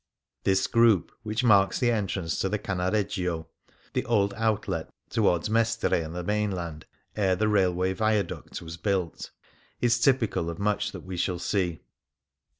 This group, which marks the entrance to the Canareggio — the old outlet towards Mestre and the mainland ere the railway viaduct was birilt — is typical of much that we shall see.